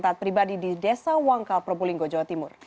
taat pribadi di desa wangkal probolinggo jawa timur